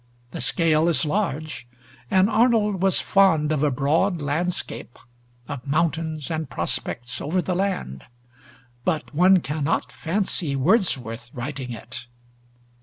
The scale is large, and Arnold was fond of a broad landscape, of mountains, and prospects over the land; but one cannot fancy Wordsworth writing it.